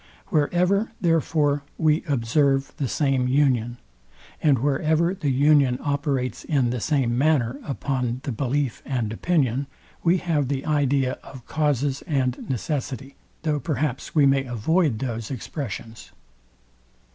Wherever, therefore, we observe the same union, and wherever the union operates in the same manner upon the belief and opinion, we have the idea of causes and necessity, though perhaps we may avoid those expressions.